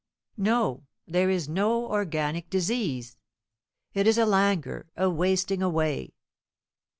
"No; there is no organic disease. It is a languor a wasting away."